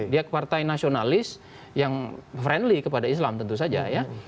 dia partai nasionalis yang friendly kepada islam tentu saja ya